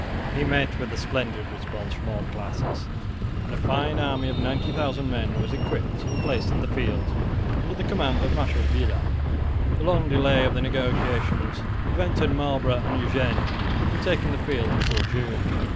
He met with a splendid response from all classes, and a fine army of 90,000 men was equipped and placed in the field under the command of Marshal Villars. The long delay over the negotiations prevented Marlborough and Eugene from taking the field until June.